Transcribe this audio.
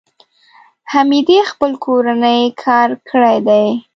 حمیدې خپل کورنی کار کړی دی.